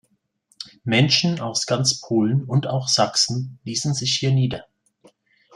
Menschen aus ganz Polen und auch aus Sachsen ließen sich hier nieder.